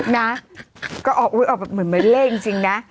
นะก็ออกอุ๊ยออกแบบเหมือนเป็นเลขจริงนะ